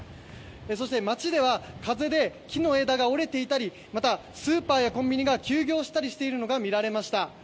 そして、町では風で木の枝が折れていたりまた、スーパーやコンビニが休業したりしているのが見られました。